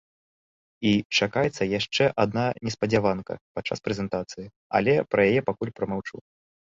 І чакаецца яшчэ адна неспадзяванка падчас прэзентацыі, але пра яе пакуль прамаўчу!